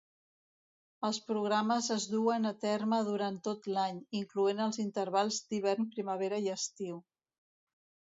Els programes es duen a terme durant tot l'any, incloent els intervals d'hivern, primavera i estiu.